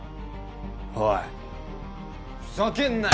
おいふざけんなよ！